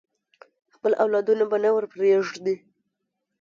خپل اولادونه به نه ورپریږدي.